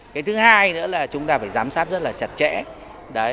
cái thứ hai nữa là chúng ta phải giám sát rất là chặt chẽ